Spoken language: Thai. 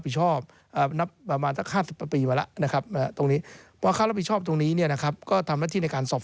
อยู่ตามวิญญาณมาตราย๒๐ก็คือความผิดนอกราชนาศักดิ์